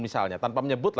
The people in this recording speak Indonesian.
misalnya tanpa menyebut